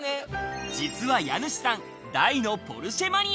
実は家主さん、大のポルシェマニア。